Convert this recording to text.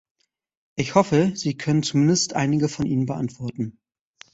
Ich hoffe, Sie können zumindest einige von ihnen beantworten.